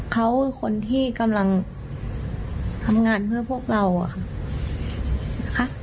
เขาคนที่กำลังทำงานเพื่อพวกเราอะค่ะ